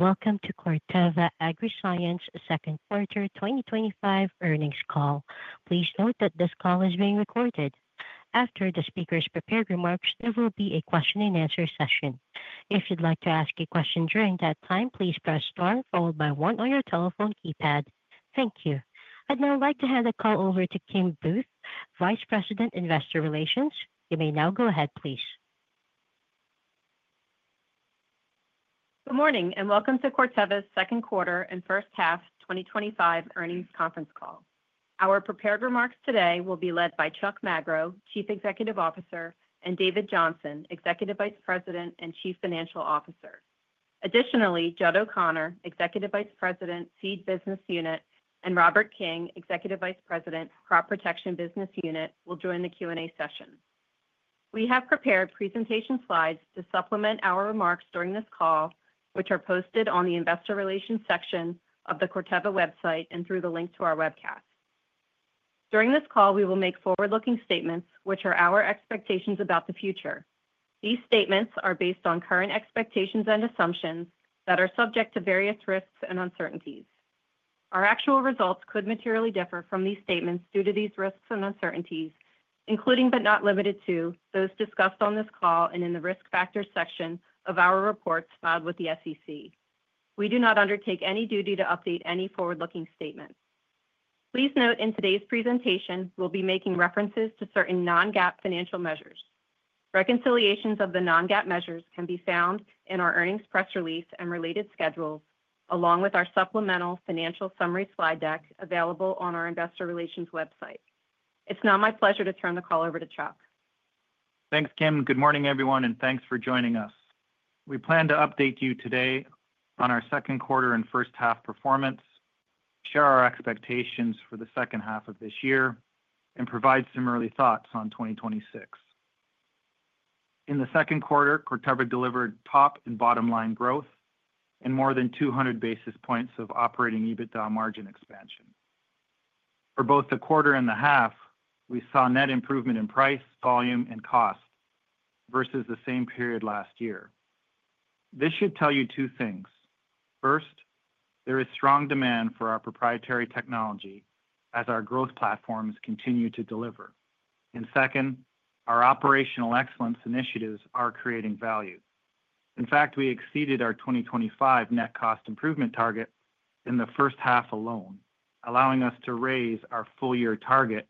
Welcome to Corteva Agriscience second quarter 2025 earnings call. Please note that this call is being recorded. After the speaker's prepared remarks, there will be a question-and-answer session. If you'd like to ask a question during that time, please press star followed by one on your telephone keypad. Thank you. I'd now like to hand the call over to Kim Booth, Vice President, Investor Relations. You may now go ahead, please. Good morning and welcome to Corteva's second quarter and first half 2025 earnings conference call. Our prepared remarks today will be led by Chuck Magro, Chief Executive Officer, and David Johnson, Executive Vice President and Chief Financial Officer. Additionally, Judd O’Connor, Executive Vice President, Seed Business Unit, and Robert King, Executive Vice President, Crop Protection Business Unit, will join the Q&A session. We have prepared presentation slides to supplement our remarks during this call, which are posted on the Investor Relations section of the Corteva website and through the link to our webcast. During this call, we will make forward-looking statements, which are our expectations about the future. These statements are based on current expectations and assumptions that are subject to various risks and uncertainties. Our actual results could materially differ from these statements due to these risks and uncertainties, including but not limited to those discussed on this call and in the risk factors section of our reports filed with the SEC. We do not undertake any duty to update any forward-looking statements. Please note in today's presentation, we'll be making references to certain non-GAAP financial measures. Reconciliations of the non-GAAP measures can be found in our earnings press release and related schedule, along with our supplemental financial summary slide deck available on our Investor Relations website. It's now my pleasure to turn the call over to Chuck. Thanks, Kim. Good morning, everyone, and thanks for joining us. We plan to update you today on our second quarter and first half performance, share our expectations for the second half of this year, and provide some early thoughts on 2026. In the second quarter, Corteva delivered top and bottom line growth and more than 200 basis points of Operating EBITDA margin expansion. For both the quarter and the half, we saw net improvement in price, volume, and cost versus the same period last year. This should tell you two things. First, there is strong demand for our proprietary technology as our growth platforms continue to deliver. Second, our operational excellence initiatives are creating value. In fact, we exceeded our 2025 net cost improvement target in the first half alone, allowing us to raise our full-year target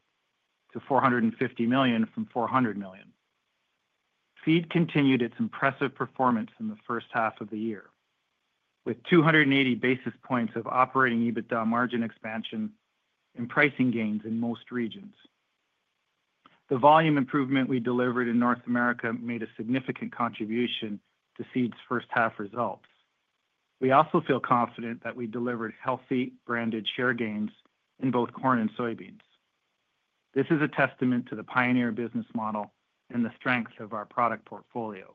to $450 million from $400 million. Seed continued its impressive performance in the first half of the year, with 280 basis points of Operating EBITDA margin expansion and pricing gains in most regions. The volume improvement we delivered in North America made a significant contribution to Seed's first half results. We also feel confident that we delivered healthy branded share gains in both corn and soybeans. This is a testament to the Pioneer business model and the strength of our product portfolio.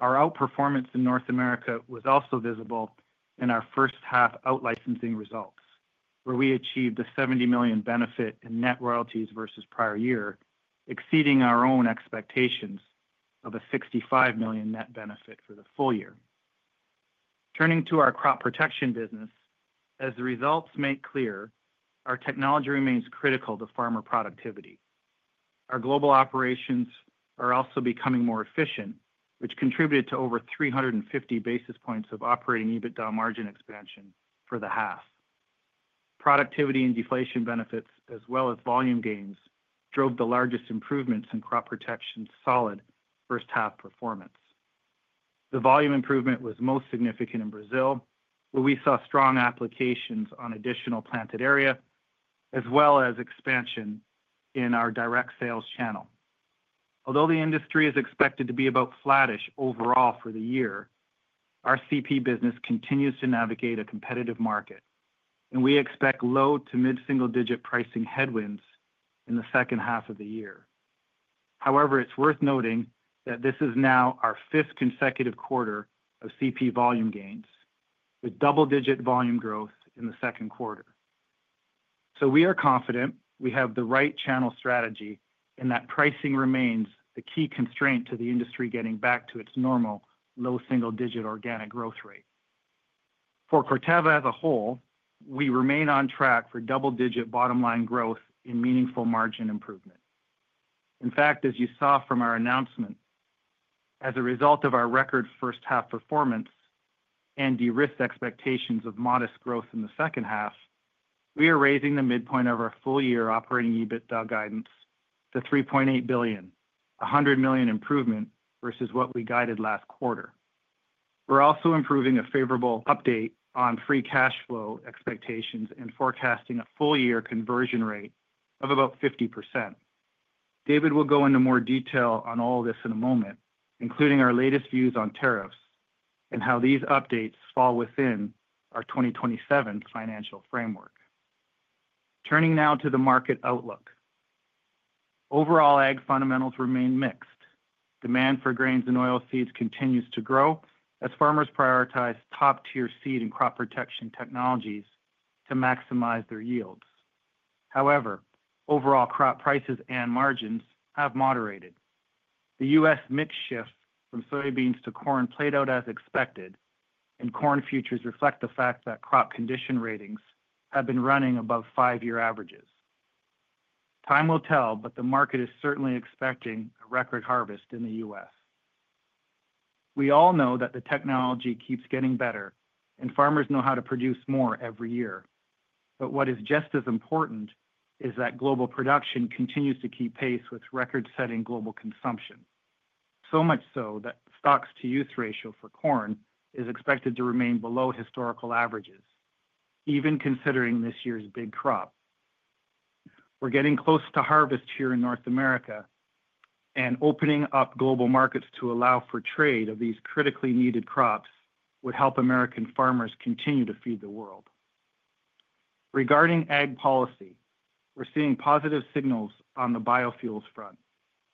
Our outperformance in North America was also visible in our first half out-licensing results, where we achieved a $70 million benefit in net royalties versus prior year, exceeding our own expectations of a $65 million net benefit for the full year. Turning to our crop protection business, as the results make clear, our technology remains critical to farmer productivity. Our global operations are also becoming more efficient, which contributed to over 350 basis points of Operating EBITDA margin expansion for the half. Productivity and deflation benefits, as well as volume gains, drove the largest improvements in crop protection's solid first half performance. The volume improvement was most significant in Brazil, where we saw strong applications on additional planted area, as well as expansion in our direct sales channel. Although the industry is expected to be about flattish overall for the year, our crop protection business continues to navigate a competitive market, and we expect low to mid-single-digit pricing headwinds in the second half of the year. However, it's worth noting that this is now our fifth consecutive quarter of crop protection volume gains, with double-digit volume growth in the second quarter. We are confident we have the right channel strategy and that pricing remains the key constraint to the industry getting back to its normal low single-digit organic growth rate. For Corteva as a whole, we remain on track for double-digit bottom line growth and meaningful margin improvement. In fact, as you saw from our announcement, as a result of our record first half performance and derisk expectations of modest growth in the second half, we are raising the midpoint of our full-year Operating EBITDA guidance to $3.8 billion, a $100 million improvement versus what we guided last quarter. We're also providing a favorable update on free cash flow expectations and forecasting a full-year conversion rate of about 50%. David will go into more detail on all of this in a moment, including our latest views on tariffs and how these updates fall within our 2027 financial framework. Turning now to the market outlook. Overall, ag fundamentals remain mixed. Demand for grains and oilseeds continues to grow as farmers prioritize top-tier seed and crop protection technologies to maximize their yields. However, overall crop prices and margins have moderated. The U.S. mix shift from soybeans to corn played out as expected, and corn futures reflect the fact that crop condition ratings have been running above five-year averages. Time will tell, but the market is certainly expecting a record harvest in the U.S. We all know that the technology keeps getting better, and farmers know how to produce more every year. What is just as important is that global production continues to keep pace with record-setting global consumption, so much so that the stocks-to-use ratio for corn is expected to remain below historical averages, even considering this year's big crop. We're getting close to harvest here in North America, and opening up global markets to allow for trade of these critically needed crops would help American farmers continue to feed the world. Regarding ag policy, we're seeing positive signals on the biofuels front.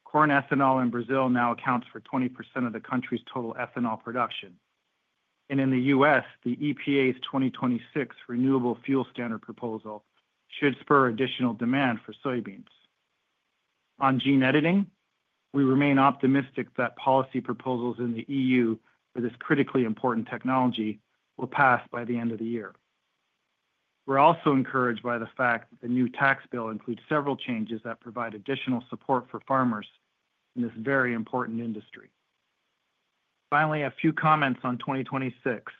Corn ethanol in Brazil now accounts for 20% of the country's total ethanol production. In the U.S., the EPA's 2026 renewable fuel standard proposal should spur additional demand for soybeans. On gene editing, we remain optimistic that policy proposals in the EU for this critically important technology will pass by the end of the year. We're also encouraged by the fact that the new tax bill includes several changes that provide additional support for farmers in this very important industry. Finally, a few comments on 2026.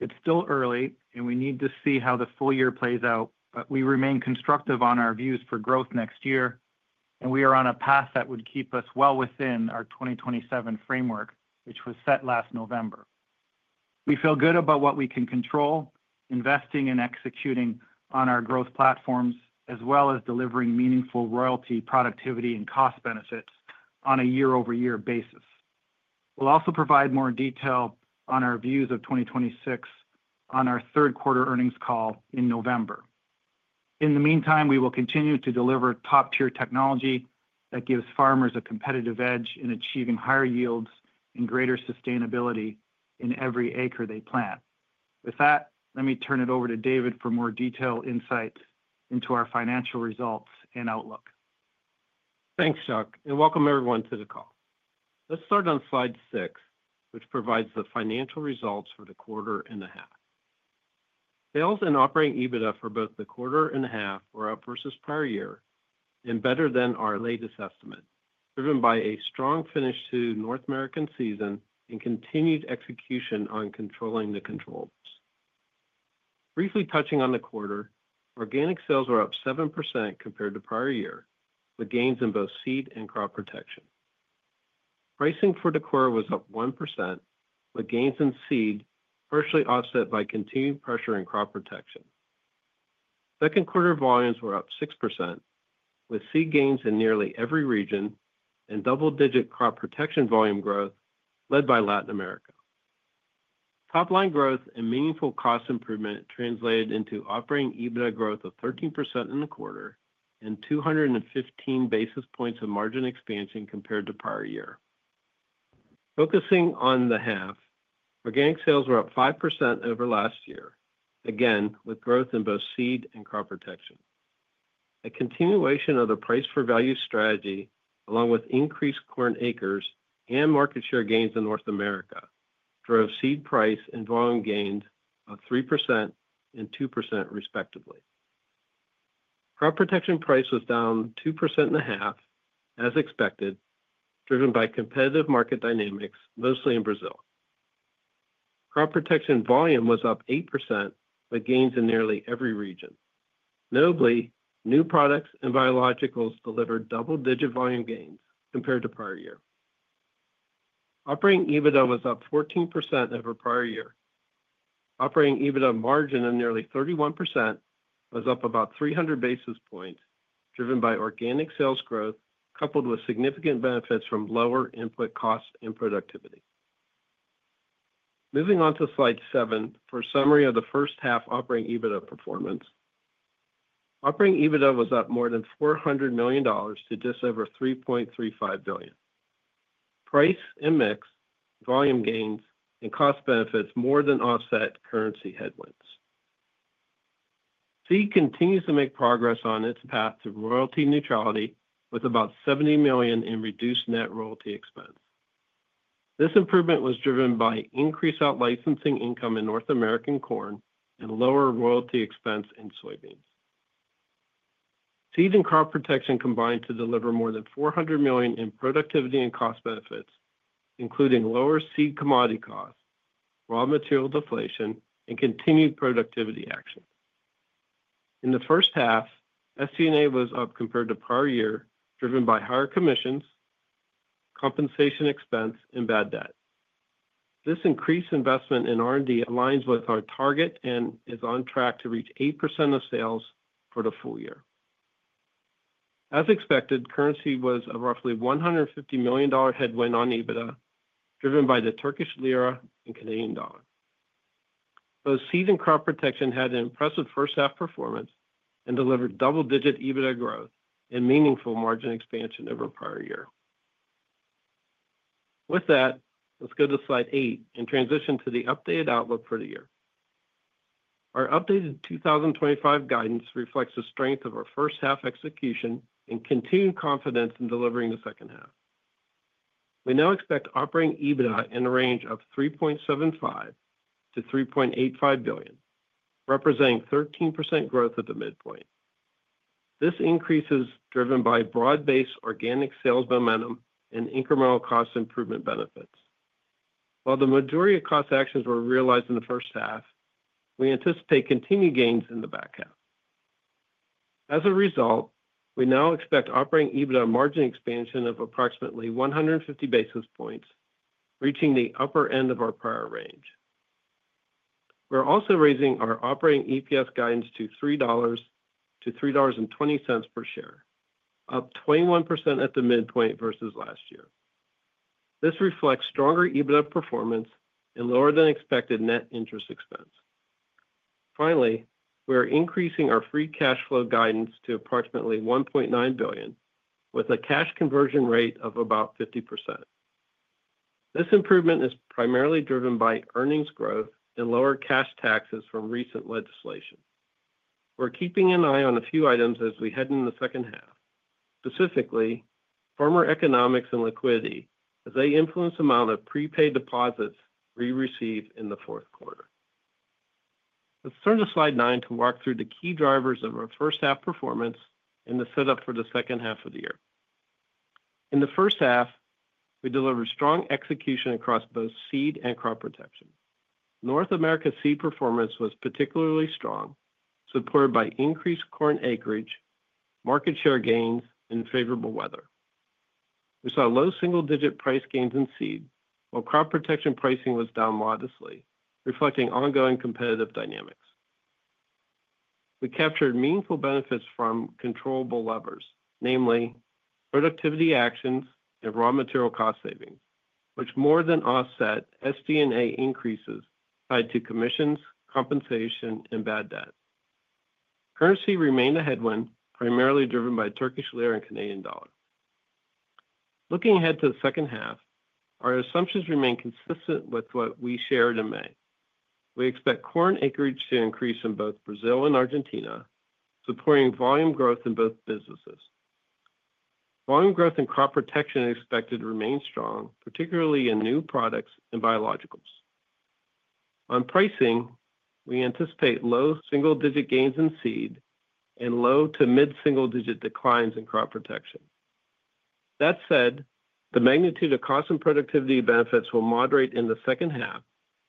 It's still early, and we need to see how the full year plays out, but we remain constructive on our views for growth next year, and we are on a path that would keep us well within our 2027 framework, which was set last November. We feel good about what we can control, investing and executing on our growth platforms, as well as delivering meaningful royalty, productivity, and cost benefits on a year-over-year basis. We'll also provide more detail on our views of 2026 on our third quarter earnings call in November. In the meantime, we will continue to deliver top-tier technology that gives farmers a competitive edge in achieving higher yields and greater sustainability in every acre they plant. With that, let me turn it over to David for more detailed insight into our financial results and outlook. Thanks, Chuck, and welcome everyone to the call. Let's start on slide six, which provides the financial results for the quarter and a half. Sales and Operating EBITDA for both the quarter and a half were up versus prior year and better than our latest estimate, driven by a strong finish to North American season and continued execution on controlling the controls. Briefly touching on the quarter, organic sales were up 7% compared to prior year, with gains in both seed and crop protection. Pricing for the quarter was up 1%, with gains in seed partially offset by continued pressure in crop protection. Second quarter volumes were up 6%, with seed gains in nearly every region and double-digit crop protection volume growth led by Latin America. Top line growth and meaningful cost improvement translated into Operating EBITDA growth of 13% in the quarter and 215 basis points of margin expansion compared to prior year. Focusing on the half, organic sales were up 5% over last year, again with growth in both seed and crop protection. A continuation of the price-for-value strategy, along with increased corn acres and market share gains in North America, drove seed price and volume gains of 3% and 2% respectively. Crop protection price was down 2% and a half, as expected, driven by competitive market dynamics, mostly in Brazil. Crop protection volume was up 8%, with gains in nearly every region. Notably, new products and biologicals delivered double-digit volume gains compared to prior year. Operating EBITDA was up 14% over prior year. Operating EBITDA margin of nearly 31% was up about 300 basis points, driven by organic sales growth coupled with significant benefits from lower input costs and productivity. Moving on to slide seven for a summary of the first half Operating EBITDA performance. Operating EBITDA was up more than $400 million to just over $3.35 billion. Price and mix, volume gains, and cost benefits more than offset currency headwinds. Seed continues to make progress on its path to royalty neutrality with about $70 million in reduced net royalty expense. This improvement was driven by increased out-licensing income in North American corn and lower royalty expense in soybeans. Seed and crop protection combined to deliver more than $400 million in productivity and cost benefits, including lower seed commodity costs, raw material deflation, and continued productivity action. In the first half, SG&A was up compared to prior year, driven by higher commissions, compensation expense, and bad debt. This increased investment in R&D aligns with our target and is on track to reach 8% of sales for the full year. As expected, currency was a roughly $150 million headwind on EBITDA, driven by the Turkish Lira and Canadian Dollar. Both seed and crop protection had an impressive first half performance and delivered double-digit EBITDA growth and meaningful margin expansion over prior year. With that, let's go to slide eight and transition to the updated outlook for the year. Our updated 2025 guidance reflects the strength of our first half execution and continued confidence in delivering the second half. We now expect Operating EBITDA in the range of $3.75-$3.85 billion, representing 13% growth at the midpoint. This increase is driven by broad-based organic sales momentum and incremental cost improvement benefits. While the majority of cost actions were realized in the first half, we anticipate continued gains in the back half. As a result, we now expect Operating EBITDA margin expansion of approximately 150 basis points, reaching the upper end of our prior range. We're also raising our operating EPS guidance to $3-$3.20 per share, up 21% at the midpoint versus last year. This reflects stronger EBITDA performance and lower than expected net interest expense. Finally, we are increasing our free cash flow guidance to approximately $1.9 billion, with a cash conversion rate of about 50%. This improvement is primarily driven by earnings growth and lower cash taxes from recent legislation. We're keeping an eye on a few items as we head into the second half, specifically farmer economics and liquidity, as they influence the amount of prepaid deposits we receive in the fourth quarter. Let's turn to slide nine to walk through the key drivers of our first half performance and the setup for the second half of the year. In the first half, we delivered strong execution across both seed and crop protection. North America's seed performance was particularly strong, supported by increased corn acreage, market share gains, and favorable weather. We saw low single-digit price gains in seed, while crop protection pricing was down modestly, reflecting ongoing competitive dynamics. We captured meaningful benefits from controllable levers, namely productivity actions and raw material cost savings, which more than offset SG&A increases tied to commissions, compensation, and bad debt. Currency remained a headwind, primarily driven by Turkish Lira and Canadian Dollar. Looking ahead to the second half, our assumptions remain consistent with what we shared in May. We expect corn acreage to increase in both Brazil and Argentina, supporting volume growth in both businesses. Volume growth in crop protection is expected to remain strong, particularly in new products and biologicals. On pricing, we anticipate low single-digit gains in seed and low to mid-single-digit declines in crop protection. That said, the magnitude of cost and productivity benefits will moderate in the second half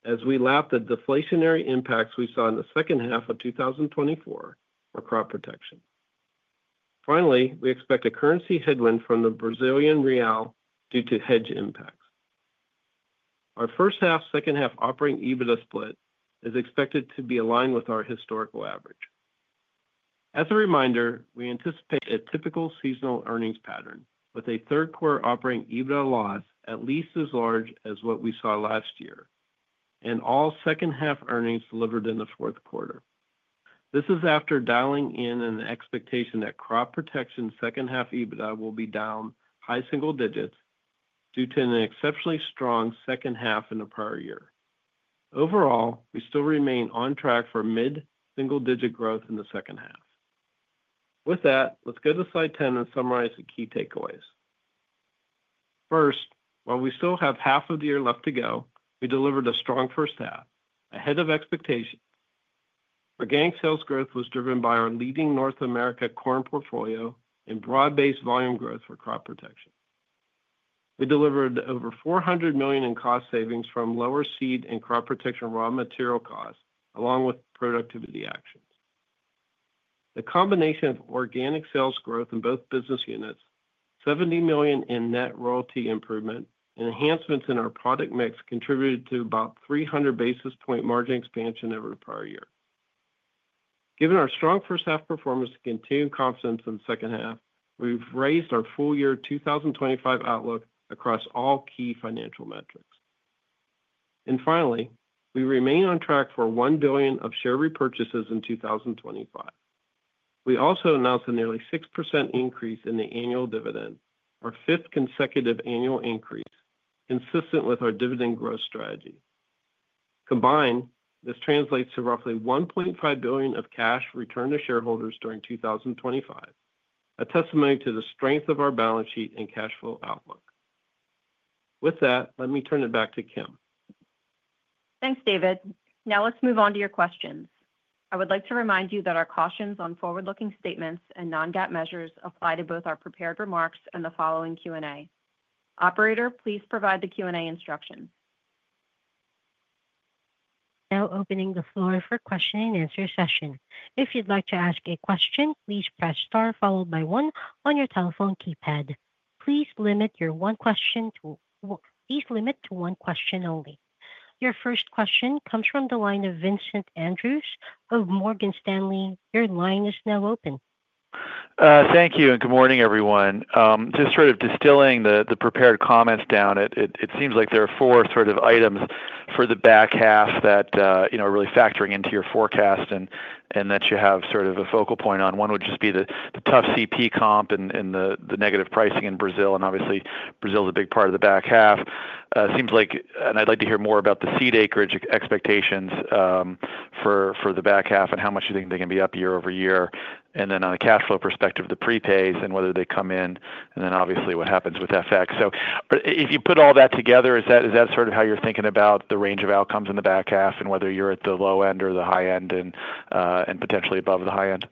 as we lap the deflationary impacts we saw in the second half of 2024 on crop protection. Finally, we expect a currency headwind from the Brazilian Real due to hedge impacts. Our first half, second half Operating EBITDA split is expected to be aligned with our historical average. As a reminder, we anticipate a typical seasonal earnings pattern, with a third quarter Operating EBITDA loss at least as large as what we saw last year, and all second half earnings delivered in the fourth quarter. This is after dialing in an expectation that crop protection second half EBITDA will be down high single digits due to an exceptionally strong second half in the prior year. Overall, we still remain on track for mid-single-digit growth in the second half. With that, let's go to slide 10 and summarize the key takeaways. First, while we still have half of the year left to go, we delivered a strong first half ahead of expectations. Organic sales growth was driven by our leading North America corn portfolio and broad-based volume growth for crop protection. We delivered over $400 million in cost savings from lower seed and crop protection raw material costs, along with productivity actions. The combination of organic sales growth in both business units, $70 million in net royalty improvement, and enhancements in our product mix contributed to about 300 basis point margin expansion over the prior year. Given our strong first half performance and continued confidence in the second half, we've raised our full-year 2025 outlook across all key financial metrics. We also remain on track for $1 billion of share repurchases in 2025. We also announced a nearly 6% increase in the annual dividend, our fifth consecutive annual increase, consistent with our dividend growth strategy. Combined, this translates to roughly $1.5 billion of cash returned to shareholders during 2025, a testimony to the strength of our balance sheet and cash flow outlook. With that, let me turn it back to Kim. Thanks, David. Now let's move on to your questions. I would like to remind you that our cautions on forward-looking statements and non-GAAP measures apply to both our prepared remarks and the following Q&A. Operator, please provide the Q&A instructions. Now opening the floor for a question-and-answer session. If you'd like to ask a question, please press star followed by one on your telephone keypad. Please limit your one question to one question only. Your first question comes from the line of Vincent Andrews of Morgan Stanley. Your line is now open. Thank you and good morning, everyone. Just sort of distilling the prepared comments down, it seems like there are four sort of items for the back half that are really factoring into your forecast and that you have sort of a focal point on. One would just be the tough crop protection comp and the negative pricing in Brazil, and obviously Brazil is a big part of the back half. It seems like, and I'd like to hear more about the seed acreage expectations for the back half and how much you think they can be up year-over-year. Then on a cash flow perspective, the prepays and whether they come in, and obviously what happens with that fact. If you put all that together, is that sort of how you're thinking about the range of outcomes in the back half and whether you're at the low end or the high end and potentially above the high end?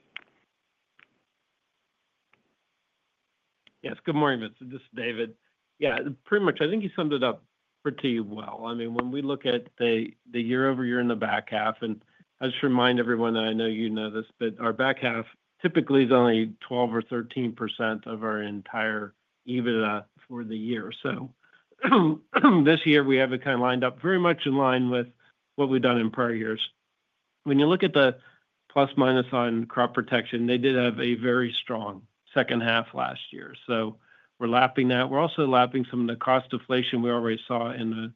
Yes, good morning, Vincent. This is David. Yeah, pretty much I think you summed it up pretty well. I mean, when we look at the year-over-year in the back half, I just remind everyone that I know you know this, but our back half typically is only 12% or 13% of our entire EBITDA for the year. This year we have it kind of lined up very much in line with what we've done in prior years. When you look at the plus minus on crop protection, they did have a very strong second half last year. We're lapping that. We're also lapping some of the cost deflation we already saw in the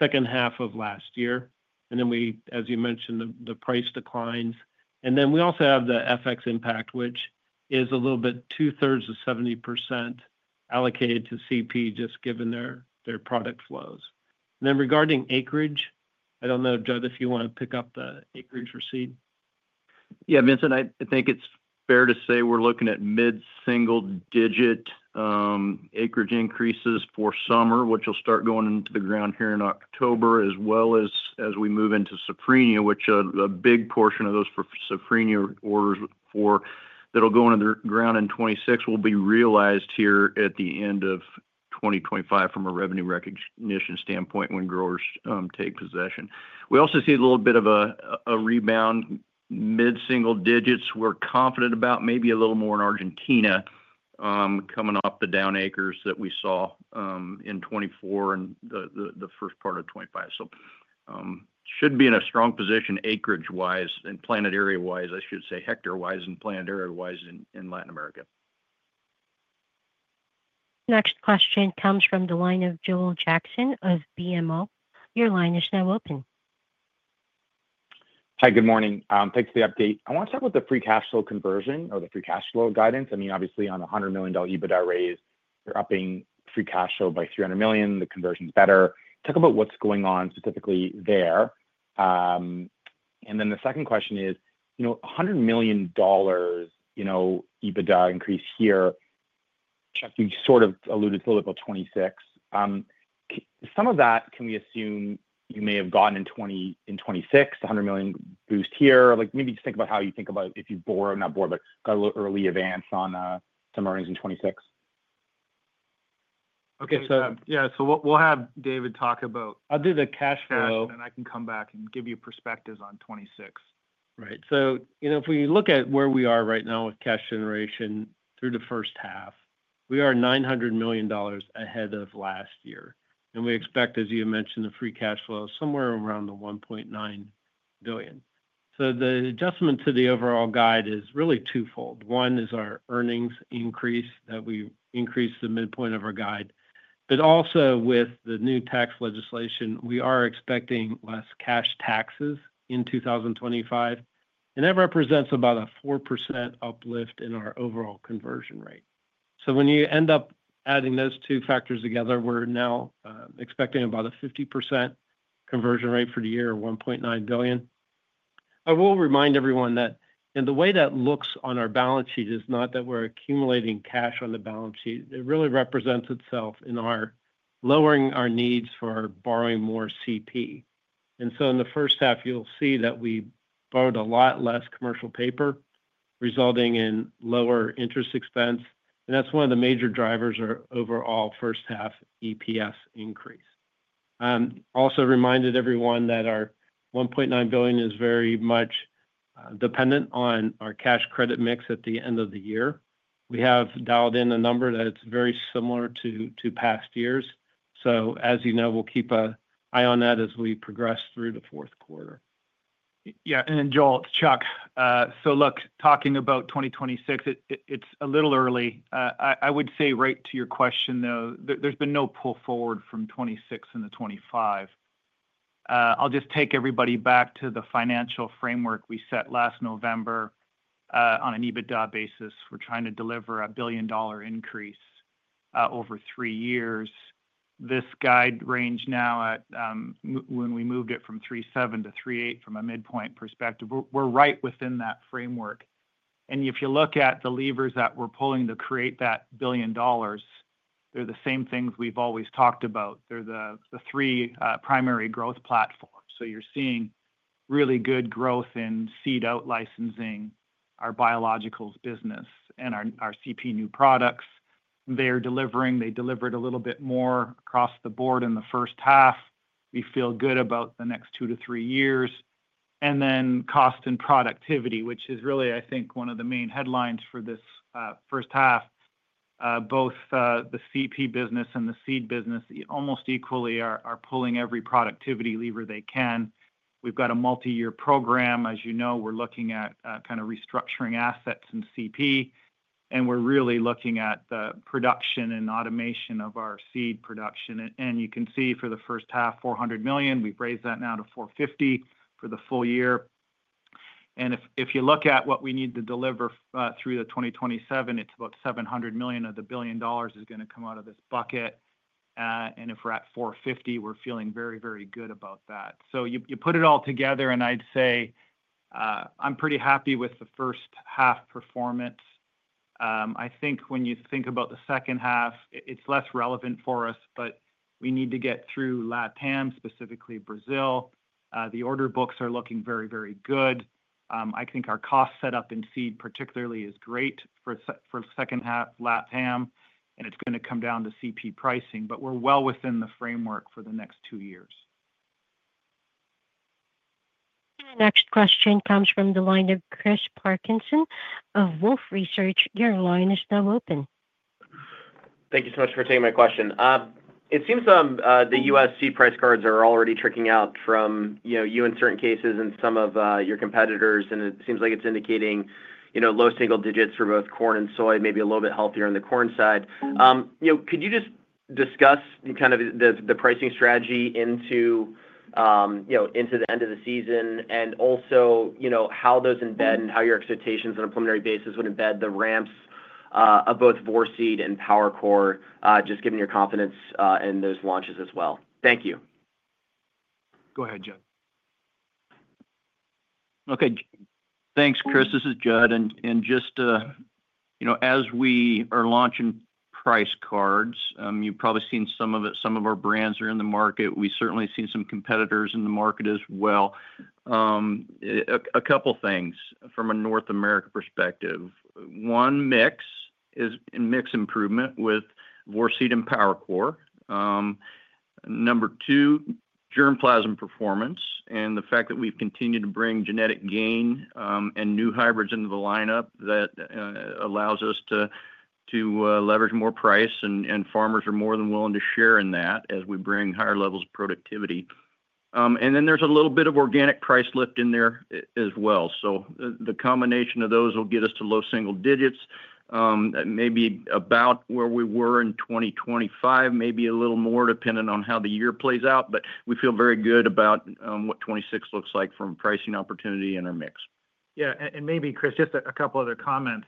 second half of last year. As you mentioned, the price declines. We also have the FX impact, which is a little bit 2/3 of 70% allocated to crop protection, just given their product flows. Regarding acreage, I don't know, Judd, if you want to pick up the acreage for seed. Yeah, Vincent, I think it's fair to say we're looking at mid-single-digit acreage increases for summer, which will start going into the ground here in October, as well as as we move into Safrinha, which a big portion of those Safrinha orders that'll go into the ground in 2026 will be realized here at the end of 2025 from a revenue recognition standpoint when growers take possession. We also see a little bit of a rebound, mid-single digits. We're confident about maybe a little more in Argentina, coming off the down acres that we saw in 2024 and the first part of 2025. Should be in a strong position acreage-wise and planted area-wise, I should say hectare-wise and planted area-wise in Latin America. Next question comes from the line of Joel Jackson of BMO. Your line is now open. Hi, good morning. Thanks for the update. I want to start with the free cash flow conversion or the free cash flow guidance. Obviously, on the $100 million EBITDA raise, you're upping free cash flow by $300 million. The conversion's better. Talk about what's going on specifically there. The second question is, $100 million, you know, EBITDA increase here. You sort of alluded to a little bit about 2026. Some of that, can we assume you may have gotten in 2026? The $100 million boost here? Maybe just think about how you think about if you borrow, not borrow, but got a little early advance on some earnings in 2026. Okay, yeah, we'll have David talk about it. I'll do the cash flow. I can come back and give you perspectives on 2026. Right, so you know if we look at where we are right now with cash generation through the first half, we are $900 million ahead of last year. We expect, as you mentioned, the free cash flow somewhere around the $1.9 billion. The adjustment to the overall guide is really twofold. One is our earnings increase that we increased the midpoint of our guide. Also, with the new tax legislation, we are expecting less cash taxes in 2025. That represents about a 4% uplift in our overall conversion rate. When you end up adding those two factors together, we're now expecting about a 50% conversion rate for the year of $1.9 billion. I will remind everyone that in the way that looks on our balance sheet is not that we're accumulating cash on the balance sheet. It really represents itself in lowering our needs for borrowing more CP. In the first half, you'll see that we borrowed a lot less commercial paper, resulting in lower interest expense. That's one of the major drivers of our overall first half EPS increase. I also reminded everyone that our $1.9 billion is very much dependent on our cash credit mix at the end of the year. We have dialed in a number that's very similar to past years. As you know, we'll keep an eye on that as we progress through the fourth quarter. Yeah, and Joel, it's Chuck. Talking about 2026, it's a little early. I would say right to your question, though, there's been no pull forward from 2026 into 2025. I'll just take everybody back to the financial framework we set last November on an EBITDA basis. We're trying to deliver a $1 billion increase over three years. This guide range now at when we moved it from $3.7 billion-$3.8 billion from a midpoint perspective, we're right within that framework. If you look at the levers that we're pulling to create that $1 billion, they're the same things we've always talked about. They're the three primary growth platforms. You're seeing really good growth in seed out-licensing, our biologicals business, and our crop protection new products. They're delivering, they delivered a little bit more across the board in the first half. We feel good about the next 2-3 years. Cost and productivity, which is really, I think, one of the main headlines for this first half. Both the crop protection business and the seed business almost equally are pulling every productivity lever they can. We've got a multi-year program. As you know, we're looking at kind of restructuring assets and crop protection. We're really looking at the production and automation of our seed production. You can see for the first half, $400 million, we've raised that now to $450 million for the full year. If you look at what we need to deliver through 2027, it's about $700 million of the $1 billion is going to come out of this bucket. If we're at $450 million, we're feeling very, very good about that. You put it all together and I'd say I'm pretty happy with the first half performance. I think when you think about the second half, it's less relevant for us, but we need to get through Latin America, specifically Brazil. The order books are looking very, very good. I think our cost setup in seed particularly is great for the second half Latin America, and it's going to come down to crop protection pricing, but we're well within the framework for the next two years. The next question comes from the line of Chris Parkinson of Wolfe Research. Your line is now open. Thank you so much for taking my question. It seems the U.S. seed price cards are already trickling out from you in certain cases and some of your competitors, and it seems like it's indicating low single digits for both corn and soy, maybe a little bit healthier on the corn side. Could you just discuss kind of the pricing strategy into the end of the season and also how those embed and how your expectations on a preliminary basis would embed the ramps of both Vorceed and PowerCore, just given your confidence in those launches as well? Thank you. Go ahead, Judd. Okay, thanks, Chris. This is Judd. As we are launching price cards, you've probably seen some of our brands are in the market. We certainly see some competitors in the market as well. A couple of things from a North America perspective. One, mix is in mix improvement with Vorceed and PowerCore. Number two, germplasm performance and the fact that we've continued to bring genetic gain and new hybrids into the lineup that allows us to leverage more price, and farmers are more than willing to share in that as we bring higher levels of productivity. There's a little bit of organic price lift in there as well. The combination of those will get us to low single digits. That may be about where we were in 2025, maybe a little more dependent on how the year plays out, but we feel very good about what 2026 looks like from a pricing opportunity in our mix. Yeah, and maybe Chris, just a couple of other comments.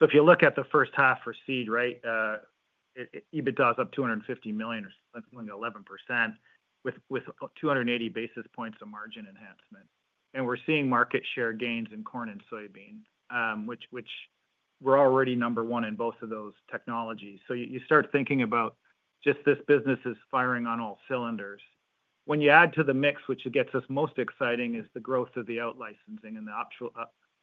If you look at the first half for seed, right, EBITDA is up $250 million, 11%, with 280 basis points of margin enhancement. We're seeing market share gains in corn and soybean, which we're already number one in both of those technologies. You start thinking about just this business is firing on all cylinders. When you add to the mix, which gets us most exciting, is the growth of the out-licensing and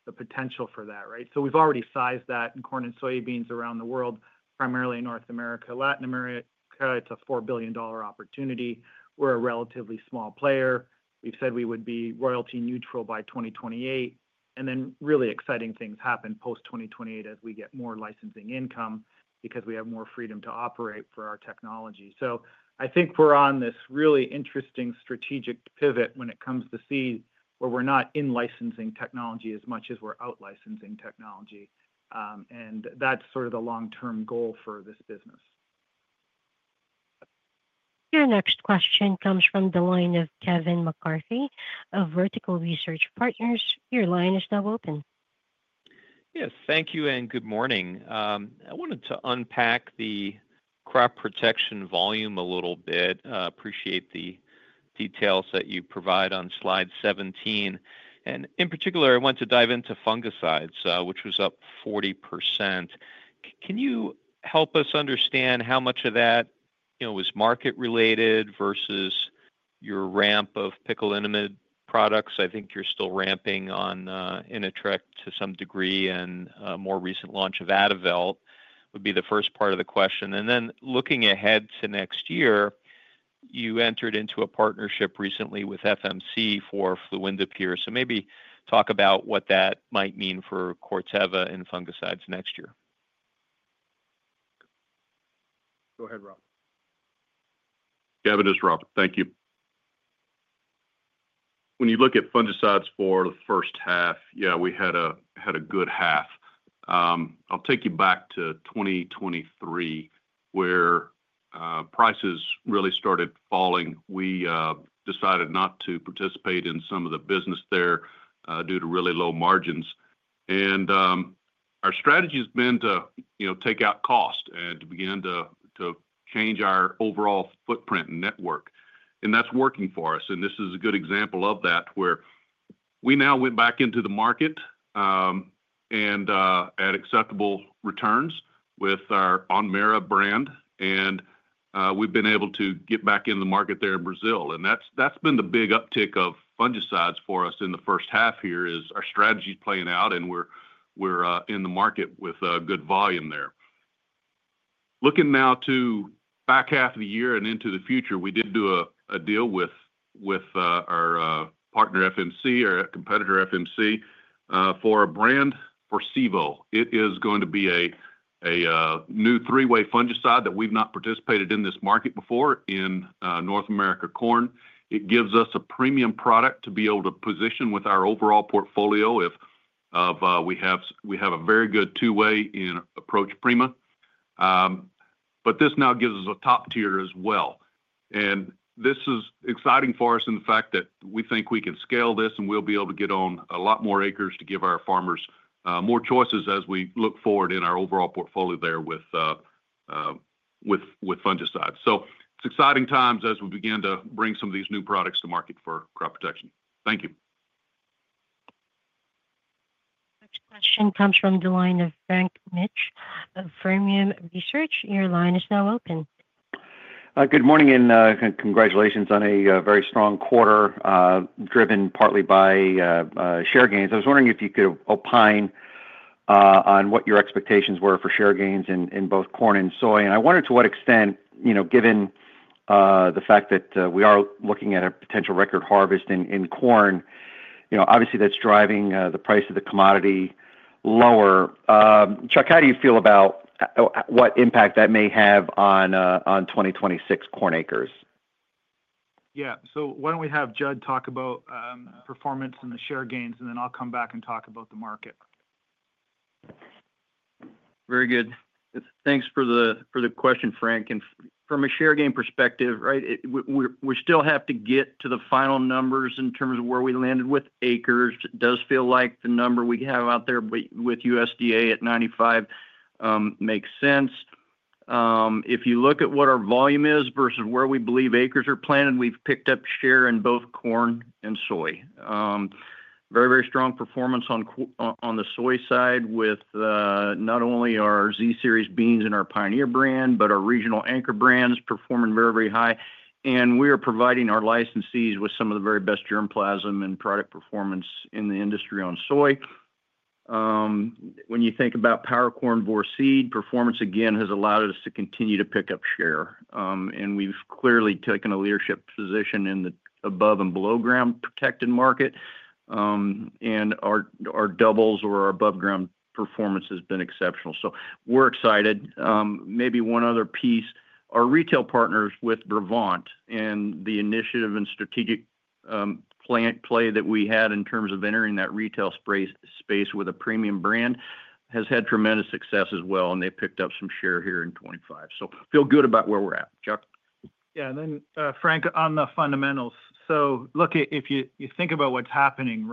the potential for that, right? We've already sized that in corn and soybeans around the world, primarily in North America, Latin America. It's a $4 billion opportunity. We're a relatively small player. We've said we would be royalty neutral by 2028. Really exciting things happen post-2028 as we get more licensing income because we have more freedom to operate for our technology. I think we're on this really interesting strategic pivot when it comes to seed where we're not in-licensing technology as much as we're out-licensing technology. That's sort of the long-term goal for this business. Your next question comes from the line of Kevin McCarthy of Vertical Research Partners. Your line is now open. Yes, thank you and good morning. I wanted to unpack the crop protection volume a little bit. I appreciate the details that you provide on slide 17. In particular, I want to dive into fungicides, which was up 40%. Can you help us understand how much of that was market-related versus your ramp of picolinamide products? I think you're still ramping on Inatreq to some degree and a more recent launch of Adavelt would be the first part of the question. Looking ahead to next year, you entered into a partnership recently with FMC for Fluindapyr. Maybe talk about what that might mean for Corteva in fungicides next year. Go ahead, Robert. Yeah, thank you. When you look at fungicides for the first half, we had a good half. I'll take you back to 2023 where prices really started falling. We decided not to participate in some of the business there due to really low margins. Our strategy has been to take out cost and to begin to change our overall footprint and network. That's working for us. This is a good example of that where we now went back into the market at acceptable returns with our On Mera brand. We've been able to get back in the market there in Brazil. That's been the big uptick of fungicides for us in the first half here, our strategy playing out and we're in the market with good volume there. Looking now to the back half of the year and into the future, we did do a deal with our partner FMC or a competitor FMC for a brand Forcivo. It is going to be a new three-way fungicide that we've not participated in this market before in North America corn. It gives us a premium product to be able to position with our overall portfolio. We have a very good two-way approach, but this now gives us a top tier as well. This is exciting for us in the fact that we think we can scale this and we'll be able to get on a lot more acres to give our farmers more choices as we look forward in our overall portfolio there with fungicides. It's exciting times as we begin to bring some of these new products to market for crop protection. Thank you. Next question comes from the line of Frank Mitsch of Fermium Research. Your line is now open. Good morning and congratulations on a very strong quarter driven partly by share gains. I was wondering if you could opine on what your expectations were for share gains in both corn and soy. I wonder to what extent, you know, given the fact that we are looking at a potential record harvest in corn, obviously that's driving the price of the commodity lower. Chuck, how do you feel about what impact that may have on 2026 corn acres? Yeah, why don't we have Judd talk about performance and the share gains, and then I'll come back and talk about the market. Very good. Thanks for the question, Frank. From a share gain perspective, we still have to get to the final numbers in terms of where we landed with acres. It does feel like the number we have out there with USDA at 95 makes sense. If you look at what our volume is versus where we believe acres are planted, we've picked up share in both corn and soy. Very, very strong performance on the soy side with not only our Z Series beans and our Pioneer brand, but our regional anchor brand is performing very, very high. We are providing our licensees with some of the very best germplasm and product performance in the industry on soy. When you think about PowerCore, performance again has allowed us to continue to pick up share. We've clearly taken a leadership position in the above and below ground protected market. Our doubles or above ground performance has been exceptional. We're excited. Maybe one other piece, our retail partners with Brevant and the initiative and strategic plant play that we had in terms of entering that retail space with a premium brand has had tremendous success as well, and they picked up some share here in 2025. Feel good about where we're at, Chuck. Yeah, and then Frank on the fundamentals. If you think about what's happening,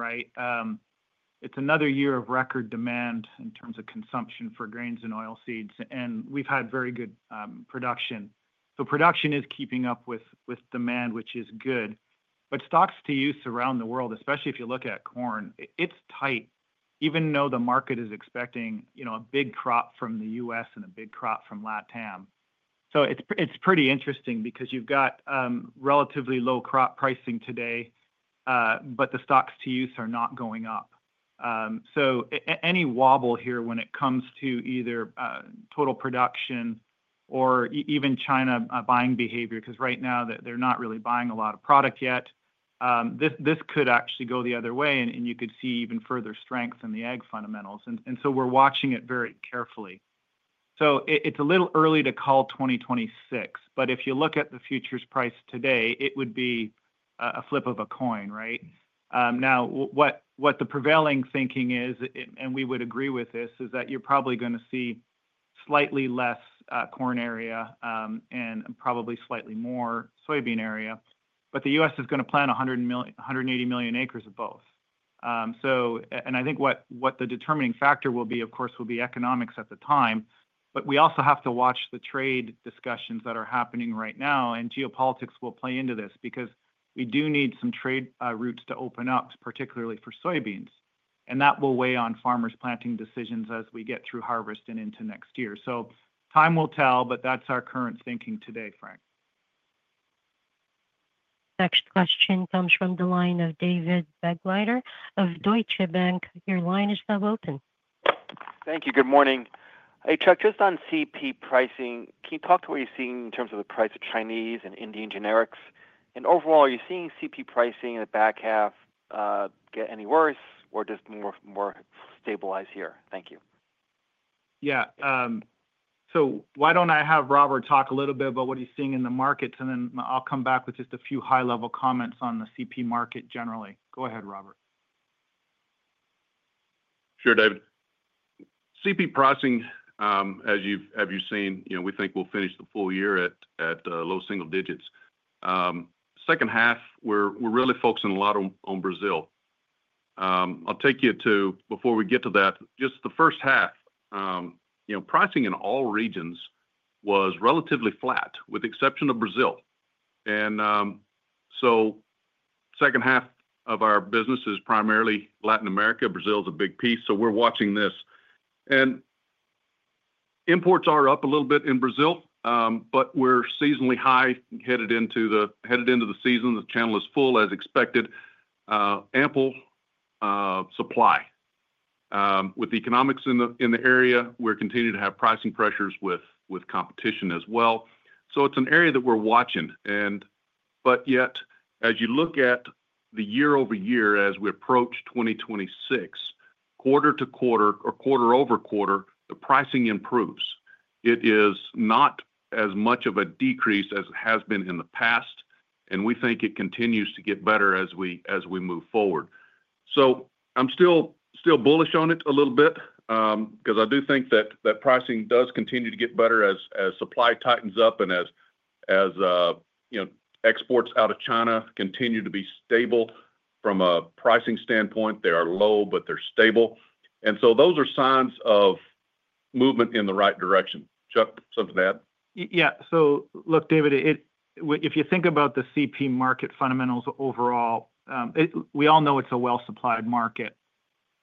it's another year of record demand in terms of consumption for grains and oil seeds, and we've had very good production. Production is keeping up with demand, which is good. Stocks to use around the world, especially if you look at corn, it's tight, even though the market is expecting a big crop from the U.S. and a big crop from LatAm. It's pretty interesting because you've got relatively low crop pricing today, but the stocks to use are not going up. Any wobble here when it comes to either total production or even China buying behavior, because right now they're not really buying a lot of product yet, this could actually go the other way and you could see even further strength in the ag fundamentals. We're watching it very carefully. It's a little early to call 2026, but if you look at the futures price today, it would be a flip of a coin, right? What the prevailing thinking is, and we would agree with this, is that you're probably going to see slightly less corn area and probably slightly more soybean area. The U.S. is going to plant 180 million acres of both. I think what the determining factor will be, of course, will be economics at the time. We also have to watch the trade discussions that are happening right now, and geopolitics will play into this because we do need some trade routes to open up, particularly for soybeans. That will weigh on farmers' planting decisions as we get through harvest and into next year. Time will tell, but that's our current thinking today, Frank. Next question comes from the line of David Begleiter of Deutsche Bank AG. Your line is now open. Thank you. Good morning. Hey Chuck, just on CP pricing, can you talk to what you're seeing in terms of the price of Chinese and Indian generics? Overall, are you seeing CP pricing in the back half get any worse or just more stabilized here? Thank you. Yeah, why don't I have Robert talk a little bit about what he's seeing in the markets, and then I'll come back with just a few high-level comments on the CP market generally. Go ahead, Robert. Sure, David. CP pricing, as you've seen, you know, we think we'll finish the full year at low single digits. Second half, we're really focusing a lot on Brazil. I'll take you to, before we get to that, just the first half. You know, pricing in all regions was relatively flat with the exception of Brazil. The second half of our business is primarily Latin America. Brazil is a big piece, so we're watching this. Imports are up a little bit in Brazil, but we're seasonally high, headed into the season. The channel is full as expected. Ample supply. With the economics in the area, we're continuing to have pricing pressures with competition as well. It's an area that we're watching. Yet, as you look at the year-over-year, as we approach 2026, quarter-to-quarter or quarter-over-quarter, the pricing improves. It is not as much of a decrease as it has been in the past, and we think it continues to get better as we move forward. I'm still bullish on it a little bit because I do think that pricing does continue to get better as supply tightens up and as exports out of China continue to be stable. From a pricing standpoint, they are low, but they're stable. Those are signs of movement in the right direction. Chuck, something to add? Yeah, so look, David, if you think about the CP market fundamentals overall, we all know it's a well-supplied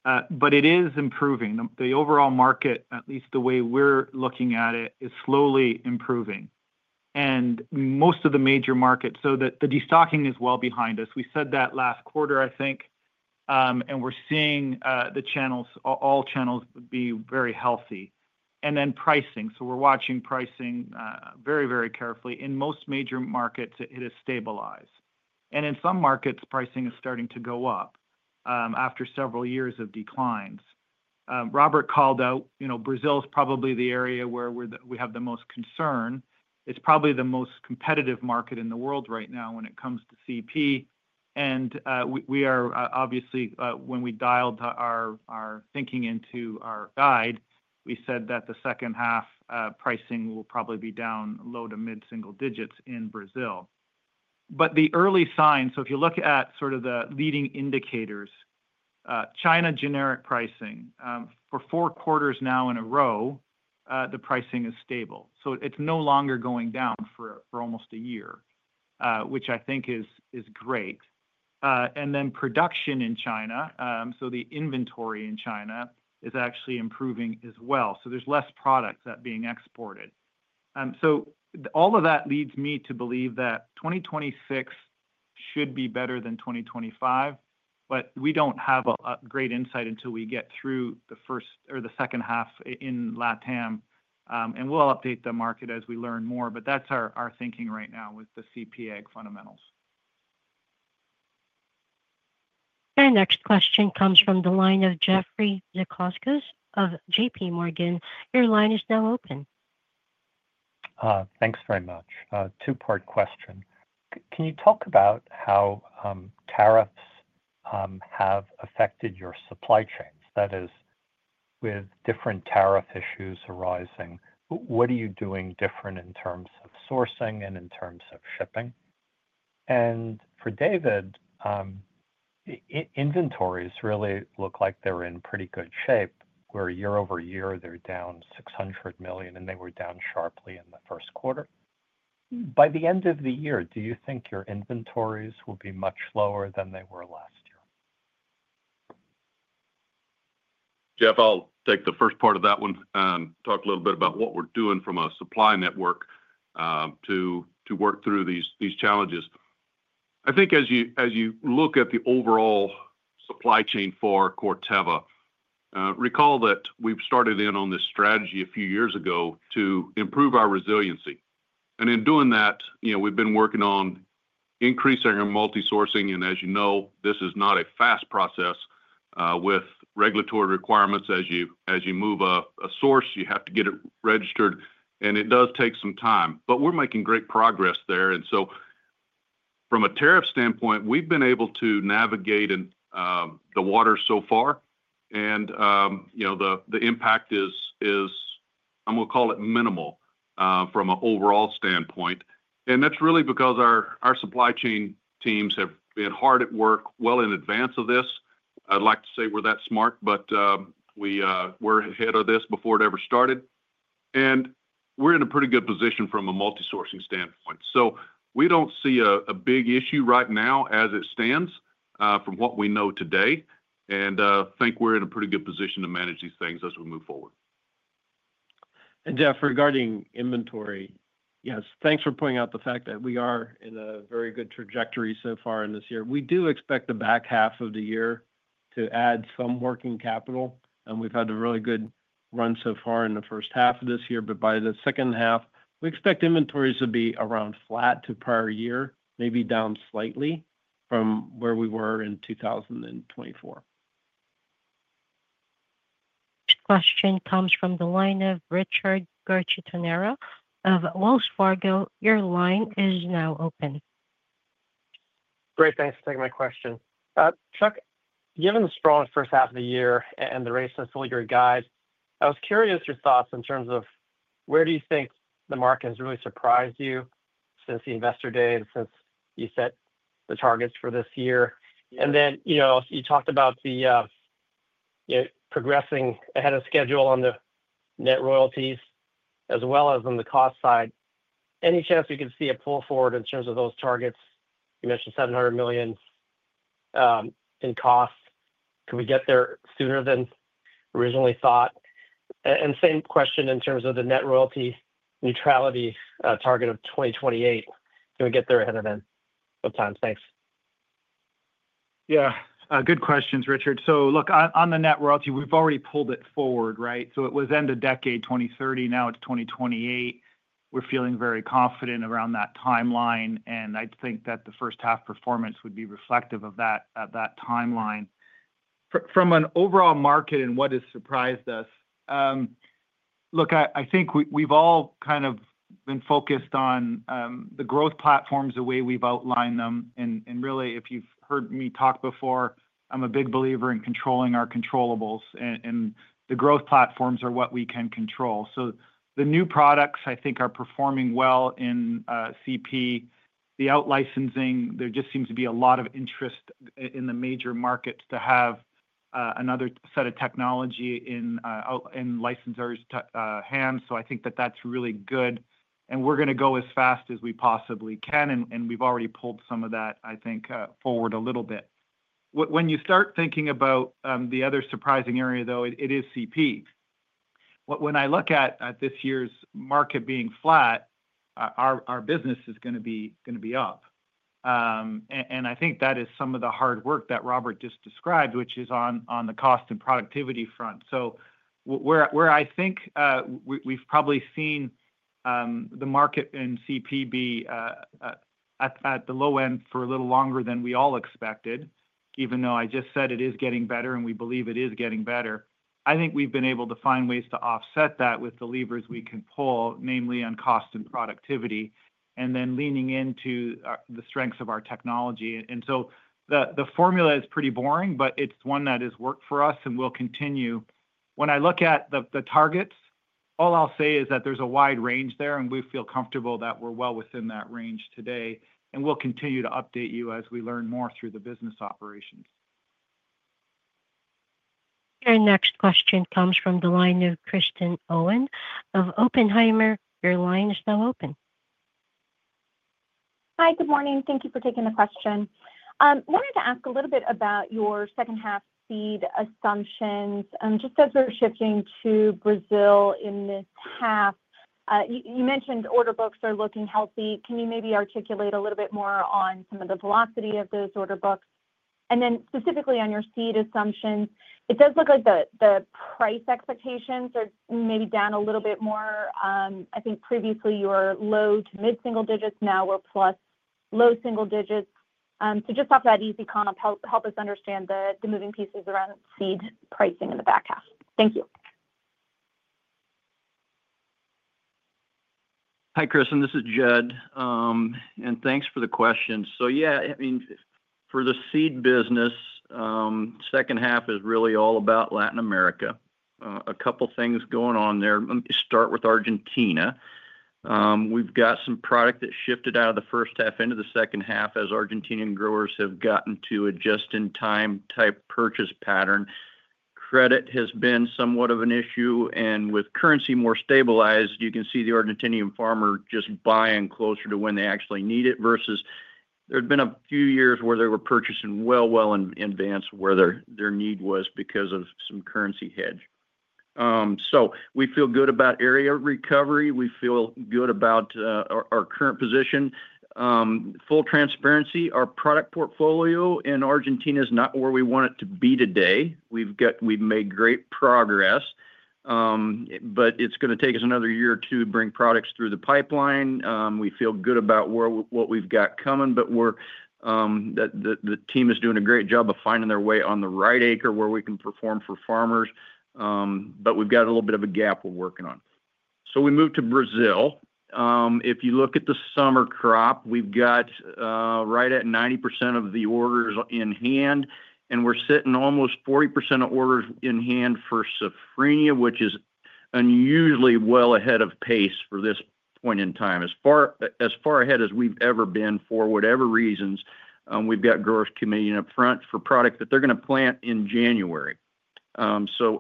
market, but it is improving. The overall market, at least the way we're looking at it, is slowly improving. In most of the major markets, the destocking is well behind us. We said that last quarter, I think. We're seeing the channels, all channels, be very healthy. We're watching pricing very, very carefully. In most major markets, it has stabilized. In some markets, pricing is starting to go up after several years of declines. Robert called out, you know, Brazil is probably the area where we have the most concern. It's probably the most competitive market in the world right now when it comes to CP. Obviously, when we dialed our thinking into our guide, we said that the second half pricing will probably be down low to mid-single digits in Brazil. The early signs, if you look at sort of the leading indicators, China generic pricing for four quarters now in a row, the pricing is stable. It's no longer going down for almost a year, which I think is great. Production in China, the inventory in China is actually improving as well. There's less products that are being exported. All of that leads me to believe that 2026 should be better than 2025. We don't have a great insight until we get through the first or the second half in Latin America. We'll update the market as we learn more. That's our thinking right now with the CP ag fundamentals. Our next question comes from the line of Jeffrey Zekauskas of JPMorgan. Your line is now open. Thanks very much. Two-part question. Can you talk about how tariffs have affected your supply chains, that is, with different tariff issues arising? What are you doing different in terms of sourcing and in terms of shipping? For David, inventories really look like they're in pretty good shape, where year-over-year they're down $600 million, and they were down sharply in the first quarter. By the end of the year, do you think your inventories will be much lower than they were last year? I'll take the first part of that one. Talk a little bit about what we're doing from a supply network to work through these challenges. I think as you look at the overall supply chain for Corteva, recall that we've started in on this strategy a few years ago to improve our resiliency. In doing that, we've been working on increasing our multi-sourcing, and as you know, this is not a fast process with regulatory requirements. As you move a source, you have to get it registered, and it does take some time. We're making great progress there. From a tariff standpoint, we've been able to navigate the water so far. The impact is, I'm going to call it minimal from an overall standpoint. That's really because our supply chain teams have been hard at work well in advance of this. I'd like to say we're that smart, but we were ahead of this before it ever started. We're in a pretty good position from a multi-sourcing standpoint. We don't see a big issue right now as it stands from what we know today. I think we're in a pretty good position to manage these things as we move forward. Jeff, regarding inventory, yes, thanks for pointing out the fact that we are in a very good trajectory so far this year. We do expect the back half of the year to add some working capital. We've had a really good run so far in the first half of this year, but by the second half, we expect inventories to be around flat to prior year, maybe down slightly from where we were in 2024. Next question comes from the line of Richard Garchitorena of Wells Fargo. Your line is now open. Great, thanks for taking my question. Chuck, given the strong first half of the year and the race to fully your guide, I was curious your thoughts in terms of where do you think the market has really surprised you since the Investor Day and since you set the targets for this year? You talked about the progressing ahead of schedule on the net royalties as well as on the cost side. Any chance we could see a pull forward in terms of those targets? You mentioned $700 million in cost. Can we get there sooner than originally thought? Same question in terms of the net royalty neutrality target of 2028. Can we get there ahead of time? Thanks. Yeah, good questions, Richard. Look, on the net royalty, we've already pulled it forward, right? It was end of decade 2030, now it's 2028. We're feeling very confident around that timeline, and I think that the first half performance would be reflective of that at that timeline. From an overall market and what has surprised us, I think we've all kind of been focused on the growth platforms the way we've outlined them. If you've heard me talk before, I'm a big believer in controlling our controllables. The growth platforms are what we can control. The new products, I think, are performing well in crop protection. The out-licensing, there just seems to be a lot of interest in the major markets to have another set of technology in licensors' hands. I think that that's really good. We're going to go as fast as we possibly can. We've already pulled some of that, I think, forward a little bit. When you start thinking about the other surprising area, though, it is crop protection. When I look at this year's market being flat, our business is going to be up. I think that is some of the hard work that Robert just described, which is on the cost and productivity front. Where I think we've probably seen the market in crop protection be at the low end for a little longer than we all expected, even though I just said it is getting better and we believe it is getting better, I think we've been able to find ways to offset that with the levers we can pull, namely on cost and productivity, and then leaning into the strengths of our technology. The formula is pretty boring, but it's one that has worked for us and will continue. When I look at the targets, all I'll say is that there's a wide range there and we feel comfortable that we're well within that range today. We'll continue to update you as we learn more through the business operations. Our next question comes from the line of Kristen Owen of Oppenheimer. Your line is now open. Hi, good morning. Thank you for taking the question. I wanted to ask a little bit about your second half seed assumptions. Just as we're shifting to Brazil in this half, you mentioned order books are looking healthy. Can you maybe articulate a little bit more on some of the velocity of those order books? Specifically on your seed assumptions, it does look like the price expectations are maybe down a little bit more. I think previously you were low to mid-single digits, now we're plus low single digits. Just off that easy con, help us understand the moving pieces around seed pricing in the back half. Thank you. Hi Kristen, this is Judd. Thanks for the question. For the seed business, the second half is really all about Latin America. A couple of things going on there. Let me start with Argentina. We've got some product that shifted out of the first half into the second half as Argentinian growers have gotten to a just-in-time type purchase pattern. Credit has been somewhat of an issue, and with currency more stabilized, you can see the Argentinian farmer just buying closer to when they actually need it versus there had been a few years where they were purchasing well in advance where their need was because of some currency hedge. We feel good about area recovery. We feel good about our current position. Full transparency, our product portfolio in Argentina is not where we want it to be today. We've made great progress, but it's going to take us another year or two to bring products through the pipeline. We feel good about what we've got coming, but the team is doing a great job of finding their way on the right acre where we can perform for farmers. We've got a little bit of a gap we're working on. If we move to Brazil, if you look at the summer crop, we've got right at 90% of the orders in hand. We're sitting almost 40% of orders in hand for Safrinha, which is unusually well ahead of pace for this point in time. As far ahead as we've ever been for whatever reasons, we've got growers committing up front for product that they're going to plant in January.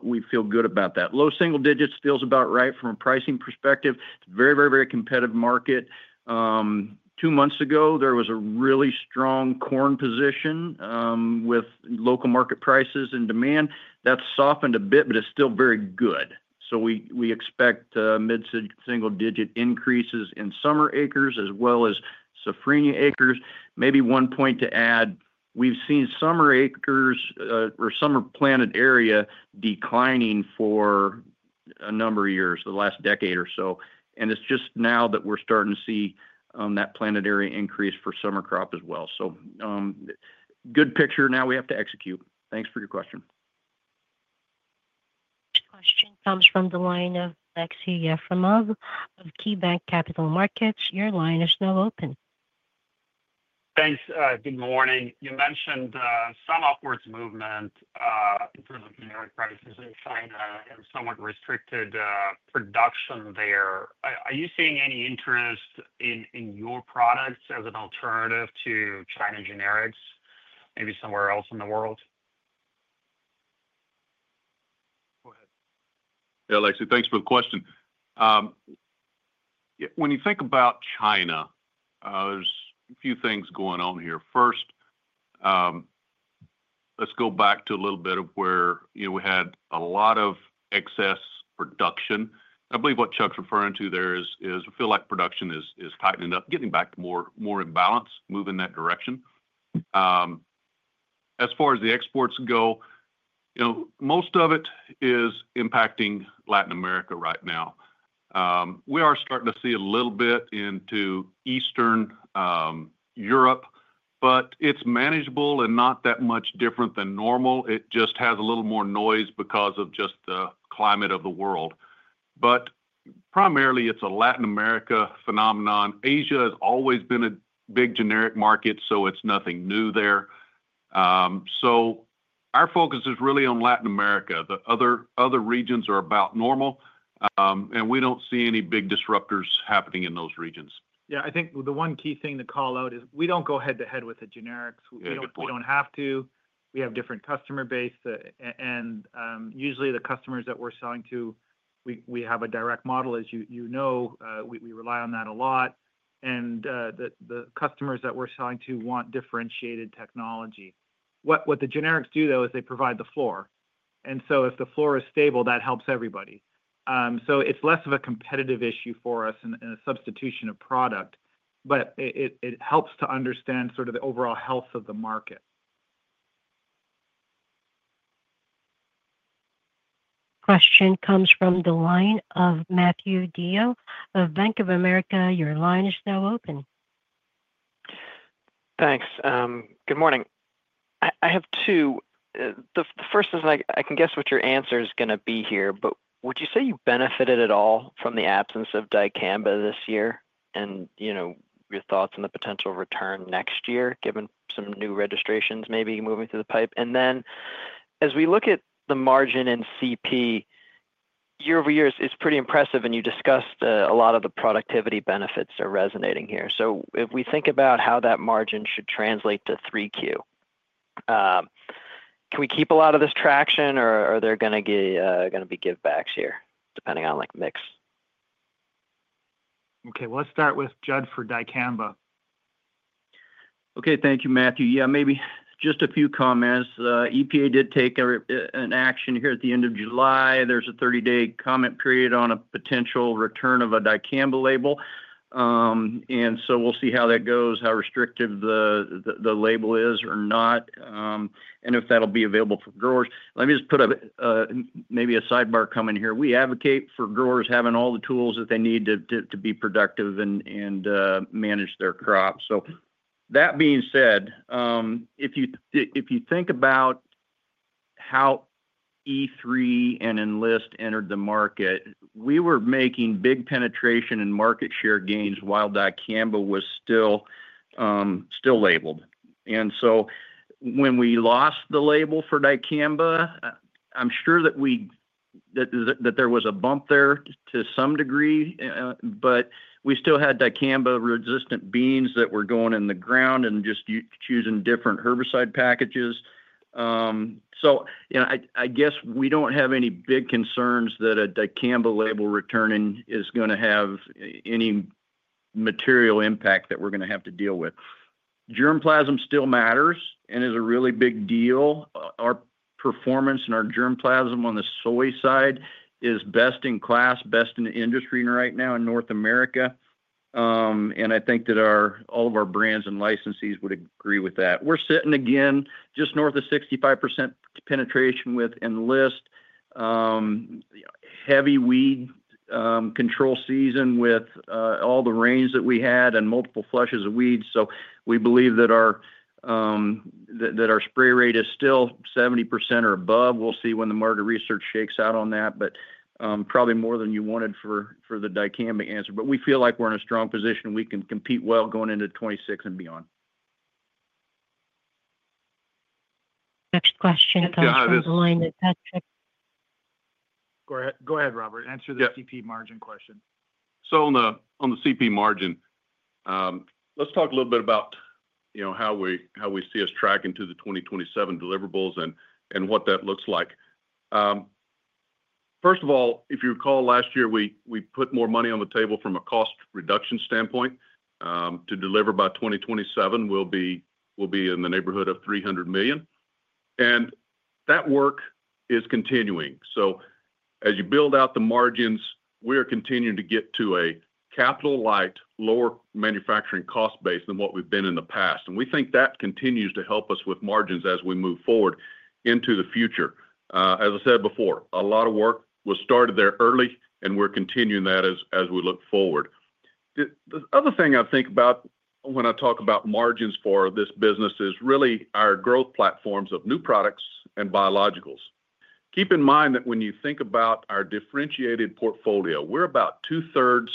We feel good about that. Low single digits feels about right from a pricing perspective. It's a very, very, very competitive market. Two months ago, there was a really strong corn position with local market prices and demand. That's softened a bit, but it's still very good. We expect mid-single digit increases in summer acres as well as Safrinha acres. Maybe one point to add, we've seen summer acres or summer planted area declining for a number of years, the last decade or so. It's just now that we're starting to see that planted area increase for summer crop as well. Good picture. Now we have to execute. Thanks for your question. Next question comes from the line of Aleksey Yefremov of KeyBanc Capital Markets. Your line is now open. Thanks. Good morning. You mentioned some upwards movement in terms of generic products in China and somewhat restricted production there. Are you seeing any interest in your products as an alternative to China generics, maybe somewhere else in the world? Yeah, Aleksey, thanks for the question. When you think about China, there's a few things going on here. First, let's go back to a little bit of where we had a lot of excess production. I believe what Chuck's referring to there is we feel like production is tightening up, getting back to more in balance, moving in that direction. As far as the exports go, most of it is impacting Latin America right now. We are starting to see a little bit into Eastern Europe, but it's manageable and not that much different than normal. It just has a little more noise because of just the climate of the world. Primarily, it's a Latin America phenomenon. Asia has always been a big generic market, so it's nothing new there. Our focus is really on Latin America. The other regions are about normal, and we don't see any big disruptors happening in those regions. I think the one key thing to call out is we don't go head-to-head with the generics. We don't have to. We have different customer bases, and usually the customers that we're selling to, we have a direct model, as you know. We rely on that a lot. The customers that we're selling to want differentiated technology. What the generics do, though, is they provide the floor. If the floor is stable, that helps everybody. It is less of a competitive issue for us and a substitution of product. It helps to understand sort of the overall health of the market. Question comes from the line of Matthew DeYoe of Bank of America. Your line is now open. Thanks. Good morning. I have two. The first is I can guess what your answer is going to be here, but would you say you benefited at all from the absence of Dicamba this year? You know your thoughts on the potential return next year, given some new registrations maybe moving through the pipe. As we look at the margin in crop protection, year-over-year, it's pretty impressive, and you discussed a lot of the productivity benefits are resonating here. If we think about how that margin should translate to 3Q, can we keep a lot of this traction, or are there going to be givebacks here, depending on mix? Okay, let's start with Judd for Dicamba. Okay, thank you, Matthew. Maybe just a few comments. EPA did take an action here at the end of July. There's a 30-day comment period on a potential return of a Dicamba label. We'll see how that goes, how restrictive the label is or not, and if that'll be available for growers. Let me just put up maybe a sidebar coming here. We advocate for growers having all the tools that they need to be productive and manage their crop. That being said, if you think about how Enlist E3 and Enlist entered the market, we were making big penetration and market share gains while Dicamba was still labeled. When we lost the label for Dicamba, I'm sure that there was a bump there to some degree, but we still had Dicamba-resistant beans that were going in the ground and just choosing different herbicide packages. I guess we don't have any big concerns that a Dicamba label returning is going to have any material impact that we're going to have to deal with. Germplasm still matters and is a really big deal. Our performance in our germplasm on the soy side is best in class, best in the industry right now in North America. I think that all of our brands and licensees would agree with that. We're sitting again just north of 65% penetration with Enlist. Heavy weed control season with all the rains that we had and multiple flushes of weeds. We believe that our spray rate is still 70% or above. We'll see when the market research shakes out on that, but probably more than you wanted for the Dicamba answer. We feel like we're in a strong position. We can compete well going into 2026 and beyond. Next question comes from the line of Patrick. Go ahead, Robert. Answer the crop protection margin question. On the CP margin, let's talk a little bit about how we see us tracking to the 2027 deliverables and what that looks like. First of all, if you recall last year, we put more money on the table from a cost reduction standpoint. To deliver by 2027, we'll be in the neighborhood of $300 million. That work is continuing. As you build out the margins, we are continuing to get to a capital-light, lower manufacturing cost base than what we've been in the past. We think that continues to help us with margins as we move forward into the future. As I said before, a lot of work was started there early, and we're continuing that as we look forward. The other thing I think about when I talk about margins for this business is really our growth platforms of new products and biologicals. Keep in mind that when you think about our differentiated portfolio, we're about 2/3,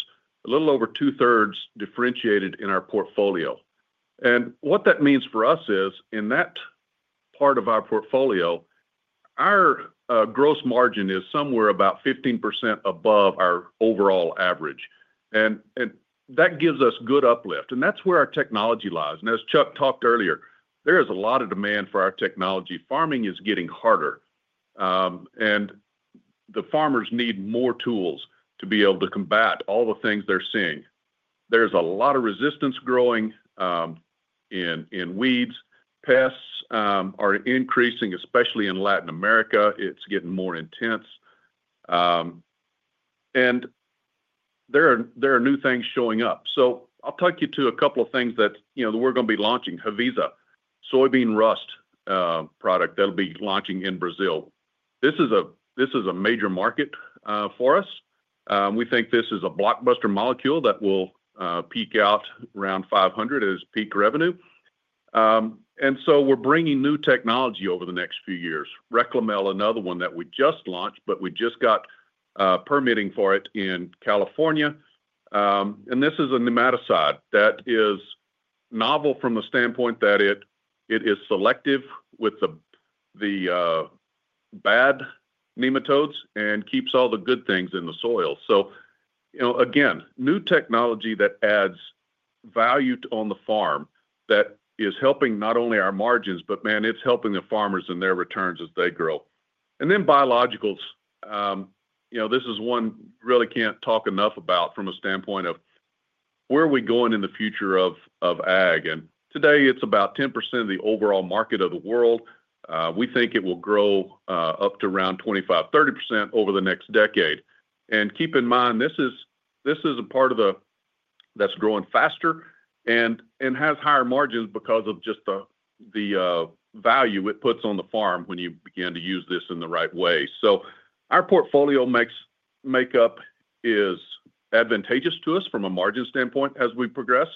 a little over 2/3 differentiated in our portfolio. What that means for us is in that part of our portfolio, our gross margin is somewhere about 15% above our overall average. That gives us good uplift. That's where our technology lies. As Chuck talked earlier, there is a lot of demand for our technology. Farming is getting harder. The farmers need more tools to be able to combat all the things they're seeing. There's a lot of resistance growing in weeds. Pests are increasing, especially in Latin America. It's getting more intense. There are new things showing up. I'll talk you to a couple of things that we're going to be launching. Haviza, soybean rust product that'll be launching in Brazil. This is a major market for us. We think this is a blockbuster molecule that will peak out around $500 million as peak revenue. We're bringing new technology over the next few years. Reklemel, another one that we just launched, but we just got permitting for it in California. This is a nematicide that is novel from the standpoint that it is selective with the bad nematodes and keeps all the good things in the soil. Again, new technology that adds value on the farm that is helping not only our margins, but it's helping the farmers in their returns as they grow. Biologicals, this is one really can't talk enough about from a standpoint of where are we going in the future of ag. Today it's about 10% of the overall market of the world. We think it will grow up to around 25%-30% over the next decade. Keep in mind, this is a part of the business that's growing faster and has higher margins because of just the value it puts on the farm when you begin to use this in the right way. Our portfolio makeup is advantageous to us from a margin standpoint as we progress.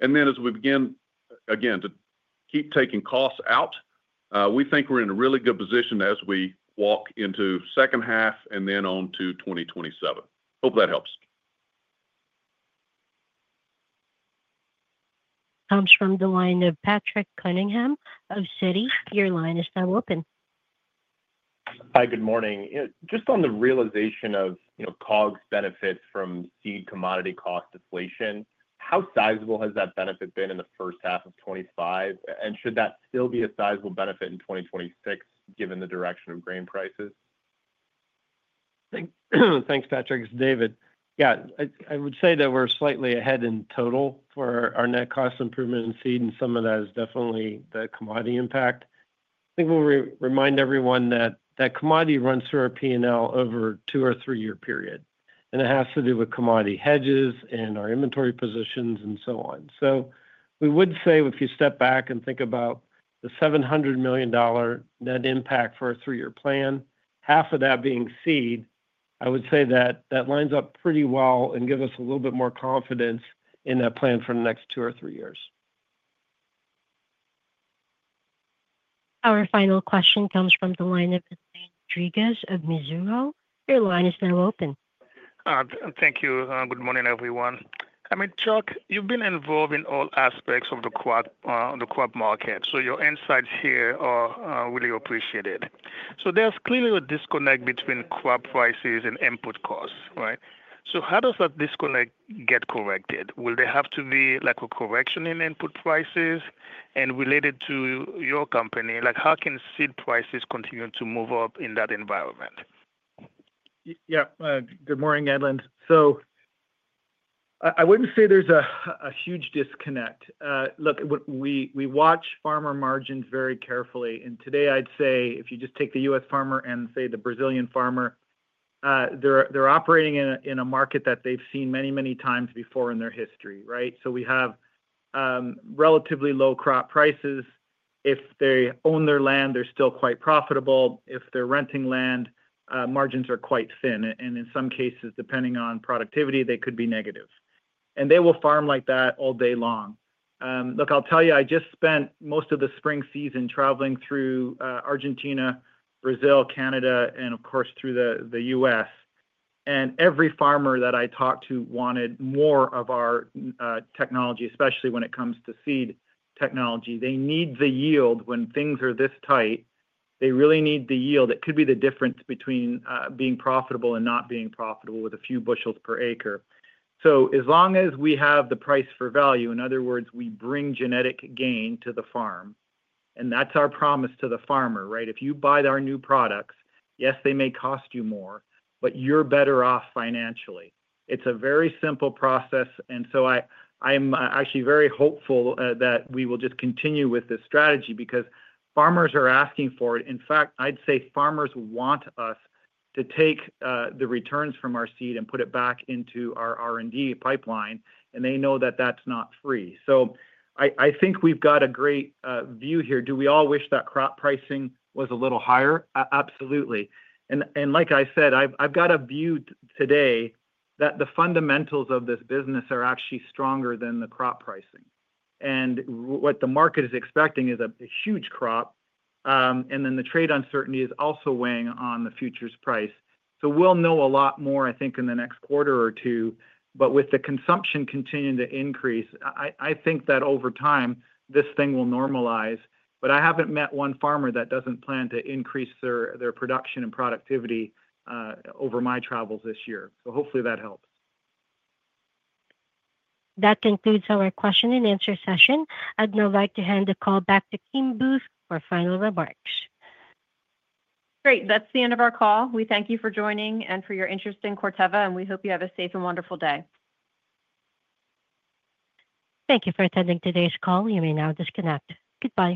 As we begin again to keep taking costs out, we think we're in a really good position as we walk into the second half and then on to 2027. Hope that helps. Comes from the line of Patrick Cunningham of Citi. Your line is now open. Hi, good morning. Just on the realization of COGS benefits from seed commodity cost deflation, how sizable has that benefit been in the first half of 2025? Should that still be a sizable benefit in 2026 given the direction of grain prices? Thanks, Patrick. It's David. I would say that we're slightly ahead in total for our net cost improvement in seed, and some of that is definitely the commodity impact. I think we'll remind everyone that that commodity runs through our P&L over a 2-3 year period. It has to do with commodity hedges and our inventory positions and so on. If you step back and think about the $700 million net impact for a three-year plan, half of that being seed, I would say that that lines up pretty well and gives us a little bit more confidence in that plan for the next 2-3 years. Our final question comes from the line of Edlain Rodriguez of Mizuho. Your line is now open. Thank you. Good morning, everyone. Chuck, you've been involved in all aspects of the crop market. Your insights here are really appreciated. There's clearly a disconnect between crop prices and input costs, right? How does that disconnect get corrected? Will there have to be a correction in input prices? Related to your company, how can seed prices continue to move up in that environment? Yeah, good morning, Edlain. I wouldn't say there's a huge disconnect. Look, we watch farmer margins very carefully. Today, I'd say if you just take the U.S. farmer and say the Brazilian farmer, they're operating in a market that they've seen many, many times before in their history, right? We have relatively low crop prices. If they own their land, they're still quite profitable. If they're renting land, margins are quite thin. In some cases, depending on productivity, they could be negative. They will farm like that all day long. I just spent most of the spring season traveling through Argentina, Brazil, Canada, and of course, through the U.S. Every farmer that I talked to wanted more of our technology, especially when it comes to seed technology. They need the yield when things are this tight. They really need the yield. It could be the difference between being profitable and not being profitable with a few bushels per acre. As long as we have the price for value, in other words, we bring genetic gain to the farm. That's our promise to the farmer, right? If you buy our new products, yes, they may cost you more, but you're better off financially. It's a very simple process. I'm actually very hopeful that we will just continue with this strategy because farmers are asking for it. In fact, I'd say farmers want us to take the returns from our seed and put it back into our R&D pipeline. They know that that's not free. I think we've got a great view here. Do we all wish that crop pricing was a little higher? Absolutely. Like I said, I've got a view today that the fundamentals of this business are actually stronger than the crop pricing. What the market is expecting is a huge crop. The trade uncertainty is also weighing on the futures price. We'll know a lot more, I think, in the next quarter or two. With the consumption continuing to increase, I think that over time, this thing will normalize. I haven't met one farmer that doesn't plan to increase their production and productivity over my travels this year. Hopefully, that helps. That concludes our question-and-answer session. I'd now like to hand the call back to Kim Booth for final remarks. Great. That's the end of our call. We thank you for joining and for your interest in Corteva, and we hope you have a safe and wonderful day. Thank you for attending today's call. You may now disconnect. Goodbye.